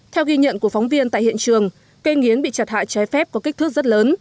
theo ghi nhận của phóng viên tại hiện trường cây nghiến bị chặt hạ trái phép có kích thước rất lớn